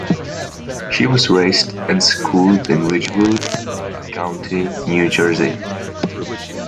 She was raised and schooled in Ridgewood, Bergen County, New Jersey.